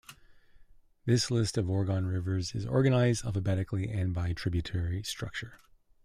This list of Oregon rivers is organized alphabetically and by tributary structure.